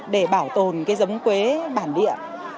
để bảo tồn cái giống quế bản địa